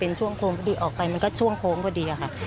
เป็นช่วงโค้งพอดีออกไปมันก็ช่วงโค้งพอดีค่ะ